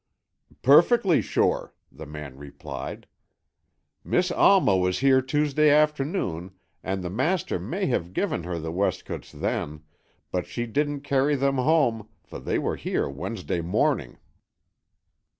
"Perfectly sure," the man replied. "Miss Alma was here Tuesday afternoon and the master may have given her the weskits then, but she didn't carry them home, for they were here Wednesday morning."